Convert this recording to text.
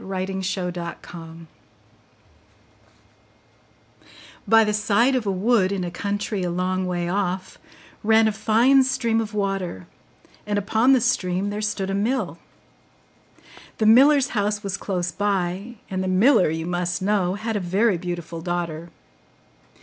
RUMPELSTILTSKIN By the side of a wood, in a country a long way off, ran a fine stream of water; and upon the stream there stood a mill. The miller's house was close by, and the miller, you must know, had a very beautiful daughter.